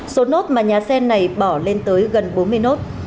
số nốt mà nhà xe này bỏ lên tới gần bốn mươi nốt